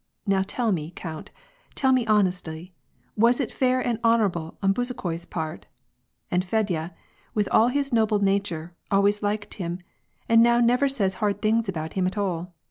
Now tell me, count, tell me honestly, was it fair and honorable on Bezukhoi's part ? And Fedya, with all his noble nature, always liked him, and now never says hard things about him at all.